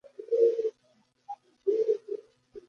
This initiates a negative feedback loop.